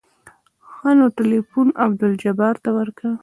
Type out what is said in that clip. ښه نو ټېلفون عبدالجبار ته ورکه.